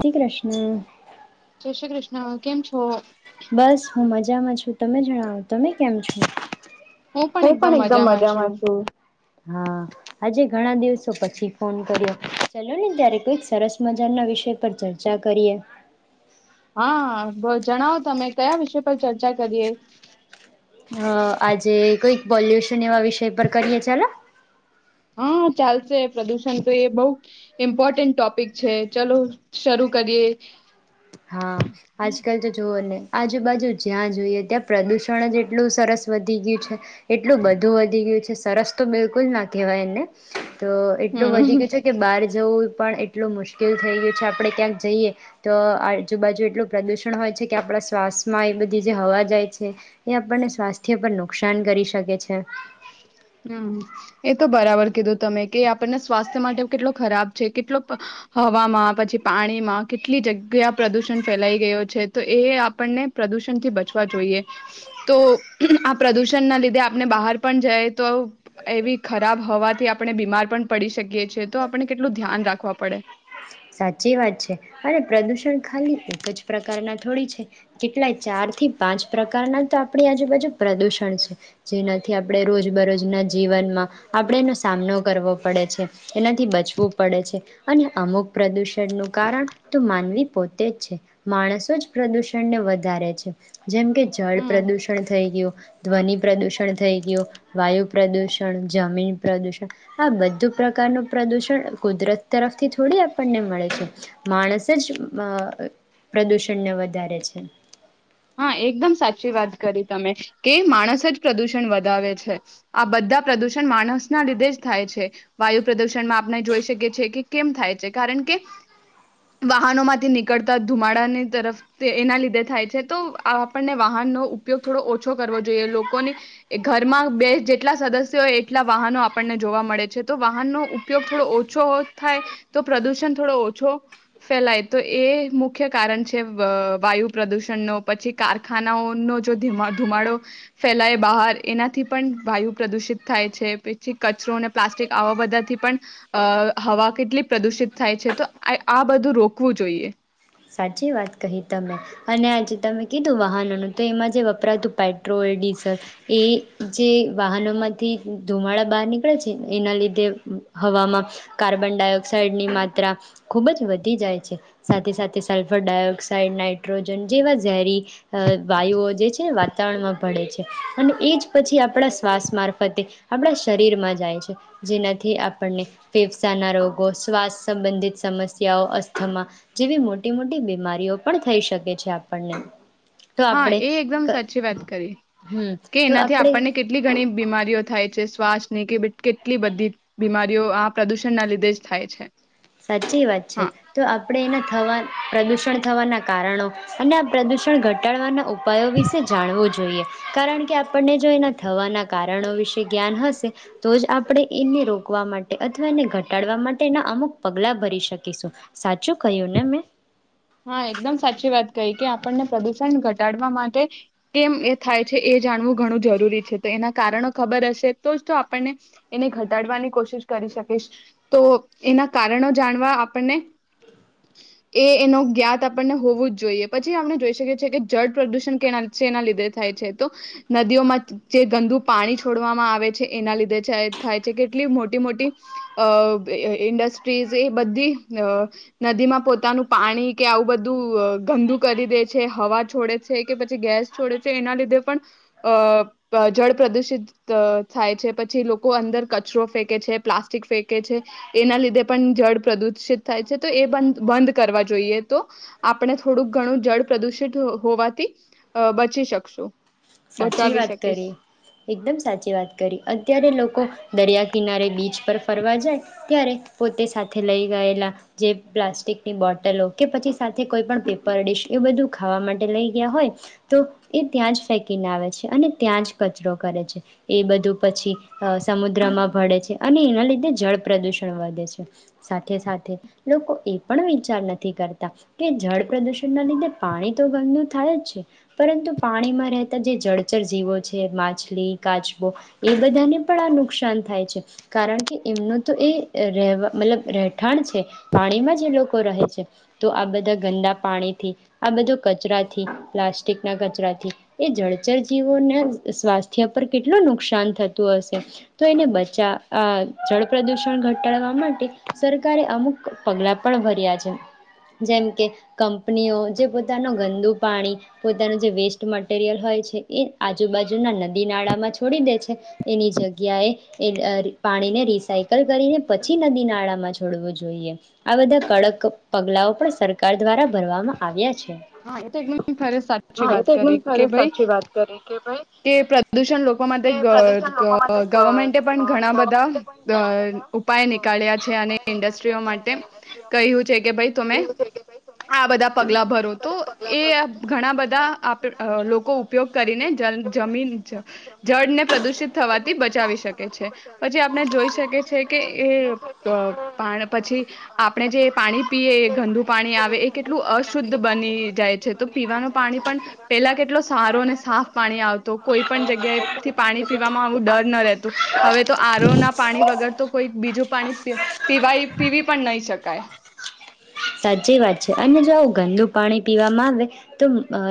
જય શ્રી કૃષ્ણ. જય શ્રી કૃષ્ણ, કેમ છો? બસ હું મજામાં છું. તમે જણાવો, તમે કેમ છો? હું પણ એકદમ મજામાં છું. હા, આજે ઘણા દિવસો પછી ફોન કર્યો. ચલો ને ત્યારે કોઈક સરસ મજા ના વિષય પર ચર્ચા કરીએ. હા, જણાવો તમે. કયા વિષય પર ચર્ચા કરીએ? હા અ આજે કઈક પોલ્યુશન એવા વિષય પર કરીએ ચાલે હા, ચાલશે પ્રદુષણ તો એ બહુ ઇમ્પોર્ટન્ટ ટોપિક છે ચલો શરૂ કરીએ. હા, આજકાલ તો જોઓને આજુબાજુ જ્યાં જોઈએ ત્યાં પ્રદુષણ જ એટલું સરસ વધી ગયું છે એટલું બધું વધી ગયું છે સરસ તો બિલકુલ ના કહેવાય એને તો એટલું હમ વધી ગ છે કે બહાર જવું પણ એટલું મુશ્કેલ થઈ ગયું છે આપણે ક્યાંક જઈએ તો આજુબાજુ એટલું પ્રદૂષણ હોય છે કે આપણા શ્વાસમાં એ બધી જે હવા જાય છે એ આપણને સ્વાસ્થ્ય પર નુકસાન કરી શકે છે. હમ્મ, એ તો બરાબર કીધું તમે કે આપણને સ્વાસ્થ્ય માટે કેટલો ખરાબ છે, કેટલો હવામાં? પછી પાણીમાં કેટલી જગ્યા પ્રદુષણ ફેલાઈ ગયો છે તો એ આપણને પ્રદુષણથી બચવા જોઈએ તો આ પ્રદુષણ ના લીધે આપને બહાર પણ જાય તો એવી ખરાબ હોવાથી આપણે બીમાર પણ પડી શકીએ છીએ તો આપણે કેટલું ધ્યાન રાખવા પડે. સાચી વાત છે અને પ્રદૂષણ ખાલી એક જ પ્રકારના થોડી છે કેટલાય ચાર થી પાંચ પ્રકારના તો આપણી આજુબાજુ પ્રદુષણ છે જેનાથી આપણે રોજબરોજના જીવનમાં આપણે એનો સામનો કરવો પડે છે એનાથી બચવું પડે છે અને અમુક પ્રદૂષ નું કારણ તો માનવી પોતે છે માણસો જ પ્રદૂષણને વધારે છે. જેમ કે જળ હમ પ્રદુષણ થઈ ગયું. ધ્વનિ પ્રદુષણ થઈ ગયું, વાયુ પ્રદુષણ, જમીન પ્રદુષણ આ બધું પ્રકારનું પ્રદુષણ કુદરત તરફથી થોડી આપ ને મળે છે માણસ જ અ પ્રદૂષણને વધારે છે. હા, એકદમ સાચી વાત કરી તમે કે માણસ જ પ્રદુષણ વધાવે છે આ બધા પ્રદુષણ માણસ ના લીધે જ થાય છે. વાયુ પ્રદુષણમાં આપણે જોઈ શકીએ છીએ કે કેમ થાય છે કારણ કે વાહનો માંથી નીકળતા ધુમાડાની તરફ એના લીધે થાય છે તો આપણને વાહનનો ઉપયોગ થોડો ઓછો કરવો જોઈએ લોકોની ઘરમાં બે જેટલા સદસ્ય હોય એટલા વાહનો આપણને જોવા મળે છે તો વાહનનો ઉપયોગ થોડો ઓછો થાય તો પ્રદુષણ થોડો ઓછો ફેલાય તો એ મુખ્ય કારણ છે વાયુ પ્રદુષણનો પછી કારખાનાઓનો જોમા ધુમાડો ફેલાય બહાર એનાથી પણ વાયુ પ્રદુષિત થાય છે પછી કચરો અને પ્લાસ્ટિક આવા બધાથી પણ અ હવા કેટલી પ્રદુષિત થાય છે તો આ બધું રોકવું જોઈએ. સાચી વાત કહી તમે અને આજે તમે કીધું વાહનોનું તો એમાં જે વપરાતું પેટ્રોલ, ડીઝલ એ જે વાહનોમાંથી ધુમાડા બહાર નીકળે છે એના લીધે હવામાં કાર્બન ડાયોક્સાઇડની માત્રા ખૂબ જ વધી જાય છે સાથે-સાથે તે સલ્ફર ડાયોક્સાઇડ નાઇટ્રોજન જેવા ઝેરી વાયુઓ જે છે વાતાવરણમાં પડે છે અને એ જ પછી આપણા શ્વાસ મારફતે આપણા શરીરમાં જાય છે જેનાથી આપણને ફેફસાના રોગો, શ્વાસ સંબંધિત સમસ્યાઓ અસ્થમાં જેવી મોટી-મોટી બીમારીઓ પણ થઈ શકે છે આપણને. તો હા આપણે એ એકદમ સાચી વાત કરી, હમ કે તો એનાથી આપણે આપણને કેટલી ઘણી બીમારીઓ થાય છે. શ્વાસની કે કેટલી બધી બીમારીઓ આ પ્રદુષણ ના લીધે જ થાય છે. સાચી વાત છે, હા તો આપડે એના થવા પ્રદૂષણ થવાના કારણો, અને આ પ્રદૂષણ ઘટાડવાના ઉપ ઉપાયો વિશે જાણવું જોઈએ. જોઈએ, કારણ કે આપણને જો એના થવાના કારણો વિશે જ્ઞાન હશે, તો જ આપણે એને રોકવા માટે અથવા એને ઘટાડવા માટેના અમુક પગલા ભરી શકીશું, સાચું કહ્યું ને મેં? હા એકદમ સાચી વાત કહી કે આપણને પ્રદુષણ ઘટાડવા માટે, કેમ એ થાય છે. એ જાણવું ઘણું જરૂરી છે, તો એના કારણો ખબર હશે તો જ તો આપણને એને ઘટાડવાની કોશિશ કરી શકીશ તો એના કારણો જાણવા આપણને એ એનો જ્ઞાત આપણને હોવું જ જોઈએ પછી આપણે જોઈ શકીએ છીએ કે જળ પ્રદૂષણ કેના એના લીધે થાય છે તો, નદીઓમાં જે ગંદુ પાણી છોડવામાં આવે છે. એના લીધે થાય છે કેટલી મોટી મોટી, અ ઇન્ડસ્ટ્રીઝ એ બધી નદીમાં પોતાનું પાણી કે આવું બધું ગંદુ કરી દે છે હવા છોડે છે. કે પછી ગેસ છોડે છે એના લીધે પણ, અ જળ પ્રદૂષિત થાય છે. પછી લોકો અંદર કચરો ફેંકે છે પ્લાસ્ટિક ફેંકે છે એના લીધે પણ જળ પ્રદુષિત થાય છે, તો એ બ બંધ કરવા જોઈએ. તો, આપણે થોડુંક ઘણું જળ પ્રદુષિત હોવાથી બચી શકશું. સાચી બચાવી વાત શકીશ. કરી એકદમ સાચી વાત કરી અત્યારે લોકો દરિયા કિનારે બીચ પર ફરવા જાય ત્યારે પોતે સાથે લઈ ગયેલા જે પ્લાસ્ટિકની બોટલો કે પછી સાથે કોઈપ પેપર ડીશ એ બધું ખાવા માટે લઈ ગયા હોય તો એ ત્યાં જ ફેક કિનાવે છે. અને ત્યાં જ કચરો કરે છે. એ બધું પછી સમુદ્રમાં ભળે છે. અને એના લીધે જળ પ્રદૂષણ વધે છે સાથે-સાથે લોકો એ પણ વિચાર નથી કરતા કે જળ પ્રદૂષણના લીધે પાણી તો ગ થાય જ છે, પરંતુ પાણીમાં રહેતા જે જળચર જીવો છે માછલી કાચબો એ બધાને પણ આ નુકસાન થાય છે. કારણ કે એમનું તો એ રહેવા મતલબ રહેઠાણ છે. પાણીમાં જે લોકો રહે છે. તો આ બધા ગંદા પાણીથી આ બધો કચરાથી પ્લાસ્ટિકના કચરાથી એ જળચરજીવોના સ્વાસ્થ્ય પર કેટલું નુકસાન થતું હશે, તો એને બચાવ આ જળ પ્રદૂષણ ઘટાડવા, માટે સરકારે અમુક પગલાં પણ ભર્યા છે, જેમ કે કંપનીઓ જે પોતાનું ગંદુ પાણી પોતાનું જે વેસ્ટ માટે મટેરિયલ હોય છે, એ આજુબાજુના નદી નાળામાં છોડી દે છે. એની જગ્યાએ એ પાણીને, રિસાયકલ કરીને પછી નદી નાળામાં છોડવું જોઈએ, આ બધા કડક પગલાંઓ પણ સરકાર દ્વારા ભરવામાં આવ્યા છે. હા ફ સાચી વાત કરી કે ભાઈ, કે પ્રદૂષણ લોકો માટે ગવર્મેન્ટે પણ ઘણા બધા ઉપાય નીકળ્યા છે અને ઇન્ડસ્ટ્રીઓ માટે, કહ્યું છે કે ભાઈ તમે આ બધા પગલા ભરો. તો એ ઘણા બધા આપ અ લોકો ઉપયોગ કરીને જ જમીન, જળને પ્રદૂષિત થવાથી બચાવી શકે છે, પછી આપણે જોઈ શકીએ છે કે એ પછી, આપણે જે પાણી પીએ ગંદુ પાણી આવે એ કેટલું અશુદ્ધ બની જાય છે તો પીવાનું પાણી પણ પેલા કેટલો સારો અને સાફ પાણી આવતું, કોઈ પણ જગ્યાએથી પાણી પીવામાં આવું ડર ન રહેતું. હવે તો આર ઓ ના પાણી વગર તો કોઈ બીજું પાણી પી પીવાય પીવી પણ નહીં શકાય. સાચી વાત છે અને જો આવું ગંદુ પાણી પીવામાં આવે, તો અ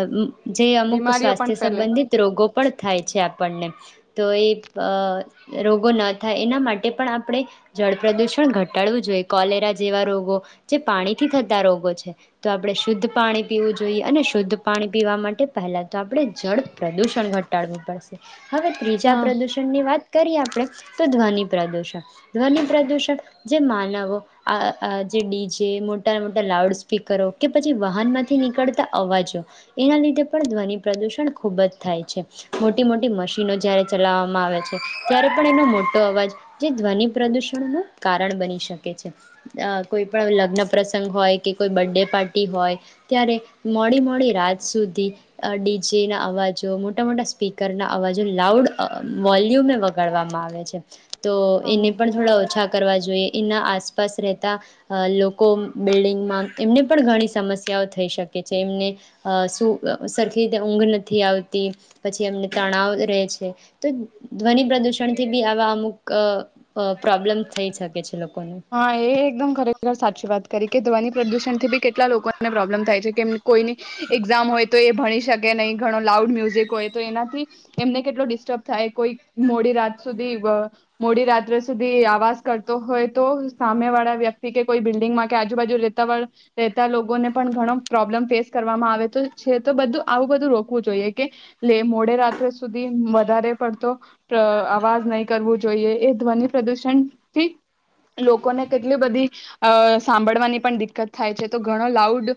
જે અમુક બીમારીઓ સ્વાસ્થ્ય પણ ફેલે સંબંધિત રોગો પણ થાય છે આપણને. તો એ અ રોગો ન થાય એના માટે પણ આપણે જળ પ્રદૂષણ ઘટાડવું જોઈએ. કોલેરા જેવા રોગો જે પાણીથી થતા રોગો છે. તો આપણે શુદ્ધ પાણી પીવું જોઈએ, અને શુદ્ધ પાણી પીવા માટે પહેલા તો આપણે જળ પ્રદૂષણ ઘટાડવું પડશે. હવે ત્રીજા હા પ્રદુષણ ની વાત કરીએ આપણે તો ધ્વનિ પ્રદૂષણ. ધ્વનિ પ્રદૂષણ, જે માનવો, આ જે ડીજે મોટાના મોટા લાઉડ સ્પીકરો, કે પછી વાહનમાંથી નીકળતા અવાજો, એના લીધે પણ ધ્વનિ પ્રદૂષણ ખૂબ જ થાય છે. મોટી મોટી મશીનો જ્યારે ચલાવવામાં આવે છે, ત્યારે પણ એનો મોટો અવાજ, જે ધ્વનિ પ્રદૂષણનું કારણ બની શકે છે. કોઈ પણ લગ્ન પ્રસંગ હોય કે કોઈ બર્ડે પાર્ટી હોય ત્યારે મોડી મોડી રાત સુધી ડી જે ના અવાજો, મોટા-મોટા સ્પીકરના અવાજો લાઉડ વોલ્યુમે વગાડવામાં આવે છે. તો એને હમ પણ થોડા ઓછા કરવા જોઈએ. એના આસપાસ રહેતા અ લોકો બિલ્ડિંગમાં, એમને પણ ઘણી સમસ્યાઓ થઈ શકે છે. એમને શું સરખી રીતે ઊંઘ નથી આવતી. પછી એમને તણાવ રહે છે. તો ધ્વનિ પ્રદૂષણથી બી આવા અમુક અ પ્રોબ્લેમ થઈ શકે છે લોકોને. હા, એ એકદમ ખરેખર સાચી વાત કરી. કે ધ્વનિ પ્રદૂષણથી ભી કેટલા લોકોને પ્રોબ્લેમ થાય છે. કેમ કોઈની એક્ઝામ હોય તો એ ભણી શકે નહીં, ઘણો લાઉડ મ્યુઝિક હોય તો એનાથી એમને કેટલો ડિસ્ટર્બ થાય. કોઈ મોડી રાત સુધી અ મોડી રાત્રે સુધી આવાઝ કરતો હોય તો સામેવાળા વ્યક્તિ કે કોઈ બિલ્ડિંગમાં કે આજુબાજુે રેતા વાળા, રહેેતા લોકોને પણ ઘણો પ્રોબ્લમ ફેસ કરવામાં આવે. તો છે તો, બધું આવું બધું રોકવું જોઈએ, કે મોડે રાત્રે સુધી વધારે પડતો અવાજ નહીં કરવું જોઈએ એ ધ્વનિ પ્રદૂષણ થી જ લોકોને કેટલી બધી અ સાંભળવાની પણ દિકકત થાય છે. તો ઘણો લાઉડ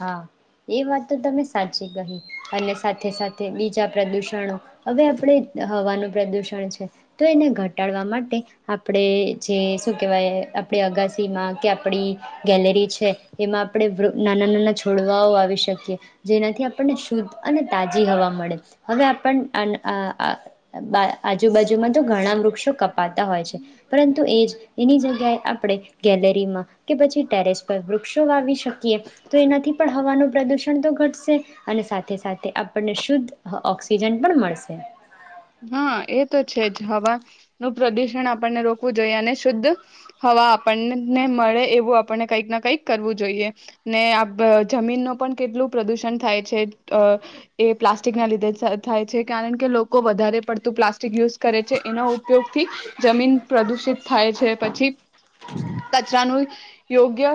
હા, એ વાત તો તમે સાચી કહી. અને સાથે સાથે બીજા પ્રદૂષણો. હવે આપણે હવાનું પ્રદૂષણ છે, તો એને ઘટાડવા માટે આપણે જે શું કેહવાય આપણી અગાસીમાં, કે આપણી ગેલેરી છે, એમાં આપણે નાના-નાના છોડવાઓ વાવી શકીએ જેનાથી આપણને શુદ્ધ અને તાજી હવા મળે હવે આપન અ આ બા આજુબાજુમાં તો ઘણા વૃક્ષો કપાતા હોય છે પરંતુ એ જ એની જગ્ ગયા એ આપણે ગેલેરીમાં કે પછી ટેરેસ પર વૃક્ષો વાવી શકીએ પણ હવાનું પ્રદુષણ તો ઘટશે અને સાથે-સાથે આપણને શુદ્ધ ઓક્સિજન પણ મળશે. હા, એ તો છે જ હવા નું પ્રદુષણ આપણને રોકવું જોઈએ અને શુદ્ધ હવા આપણને મળે એવું આપણને કંઈક ના કઈક કરવું જોઈએ ને આપ જમીન નો પણ કેટલું પ્રદુષણ થાય છે અ એ પ્લાસ્ટિક ના લીધે થાય છે કારણ કે લોક લોકો વધારે પડતું પ્લાસ્ટિક યુઝ કરે છે એનો ઉપયોગ થી જમીન પ્રદુષિત થાય છે પછી કચરાનું યોગ્ય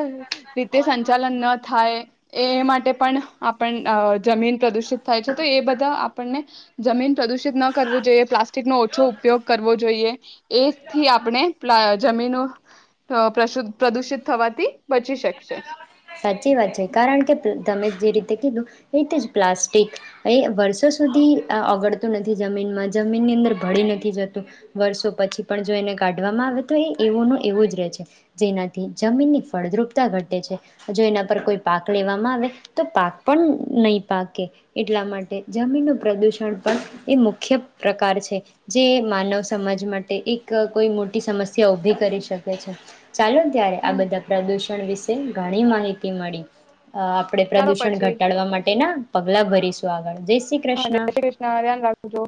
રીતે સંચાલન ન થાય એ માટે પણ આપણ અ જમીન પ્રદુષિત થાય છે તો એ બધા આપણને જમીન પ્રદુષિત ન કરવું જોઈએ. પ્લાસ્ટિકનો ઓછો ઉપયોગ કરવો જોઈએ એથી આપણે પ્લા જમીનો પ્રદુષિત થવાથી બચી શકશે. સાચી વાત છે કારણ કે તમે જે રીતે કીધું એ જ રીતે પ્લાસ્ટિક એ વર્ષો સુધી ઓગળતું નથી જમીનમાં જમીનની અંદર ભળી નથી જતું વર્ષો પછી પણ જો એને કાઢવામાં આવે તો એ એવોનું એવું જ રહે છે જેનાથી જમીનની ફળદ્રુપતા ઘટે છે. જો એના પર કોઈ પાક લેવામાં આવે તો પાક પણ નહી પાકે એટલા માટે જમીનનું પ્રદૂષણ પણ એ મુખ્ય પ્રકાર છે જે માનવ સમાજ માટે એક કોઈ મોટી સમસ્યા ઊભી કરી શકે છે. ચાલો, ત્યારે આ હમ બધા પ્રદૂષણ પણ વિશે ઘણી માહિતી મળી. અ આપણે ચાલો પ્રદુષણ પછી. ઘટાડવા માટે ના પગલા ભરીશું. સ્વાગત હા, જય શ્રી કૃષ્ણ. ધ્યાન રાખજો.